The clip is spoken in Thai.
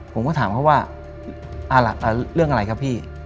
ผมก็ถามเขาว่าเรื่องอะไรครับพี่